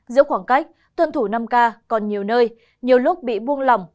giữ khoảng cách tuân thủ năm k còn nhiều nơi nhiều lúc bị buông lỏng